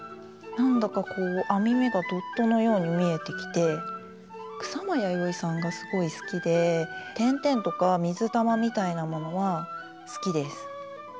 なんだかこう編み目がドットのように見えてきて草間彌生さんがすごい好きで点々とか水玉みたいなものは好きです。